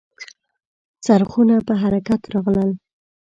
څرخونه په حرکت راغلل .